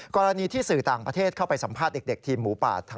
กรณีที่สื่อต่างประเทศเข้าไปสัมภาษณ์เด็กทีมหมูป่า